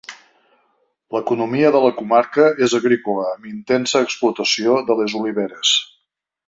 L'economia de la comarca és agrícola amb intensa explotació de les oliveres.